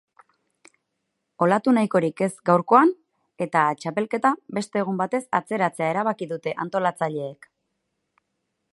Olatu nahikorik ez gaurkoan eta txapelketa beste egun batez atzeratzea erabaki dute antolatzaileek.